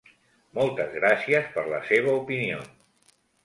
Moltes gràcies per la seva opinió.